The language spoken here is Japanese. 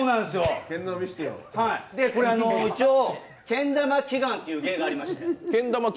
けん玉祈願っていう芸がありまして。